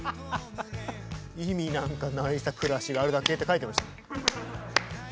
「意味なんかないさ暮らしがあるだけ」って書いてました。